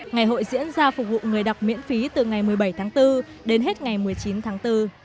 ngày hội diễn ra phục vụ người đọc miễn phí từ ngày một mươi bảy tháng bốn đến hết ngày một mươi chín tháng bốn